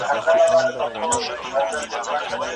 نه یې څوک ورسره ولاړی هدیرې ته